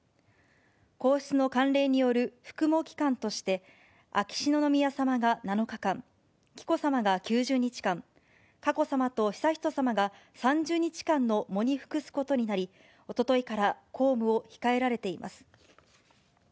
皇室の慣例による服喪期間として、秋篠宮さまが７日間、紀子さまが９０日間、佳子さまと悠仁さまが３０日間の喪に服すことになり、おとといから公務を控えられています。